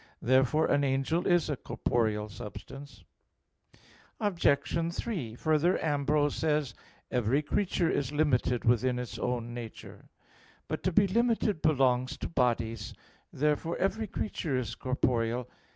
Therefore an angel is a corporeal substance. Obj. 3: Further, Ambrose says (De Spir. Sanct. i, 7): "Every creature is limited within its own nature." But to be limited belongs to bodies. Therefore, every creature is corporeal.